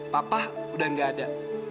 papa udah gak ada